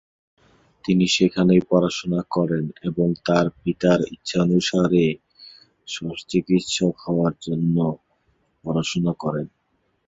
তিনি সেখানেই পড়াশুনা করেন এবং তার পিতার ইচ্ছানুসারে শল্যচিকিৎসক হওয়ার জন্য পড়াশুনা করেন।